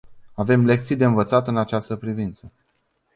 Avem lecții de învățat în această privință.